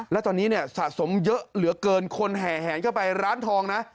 แล้วตอนนี้เนี่ยสะสมเยอะเหลือเกินคนแห่แหนเข้าไปร้านทองนะ